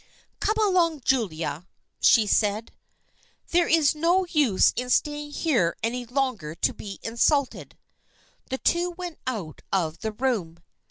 " Come along, Julia," said she. " There is no use in staying here any longer to be insulted." The two went out of the room.